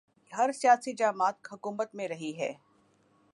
ہر سیاسی جماعت حکومت میں رہی ہے۔